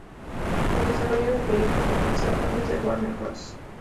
El desarrollo del proyecto comenzó a manos de Warner Bros.